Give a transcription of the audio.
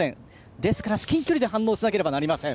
ですから至近距離で反応しないといけません。